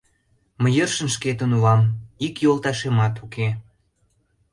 — Мый йӧршын шкетын улам, ик йолташемат уке.